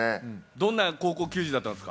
どんな高校球児だったんですか？